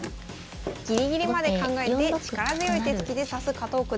ギリギリまで考えて力強い手つきで指す加藤九段。